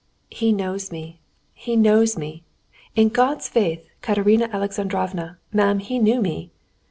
"He knows me, he knows me. In God's faith, Katerina Alexandrovna, ma'am, he knew me!"